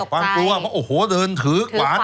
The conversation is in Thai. ขวามกลัวโหโหโหเดินถือขวาน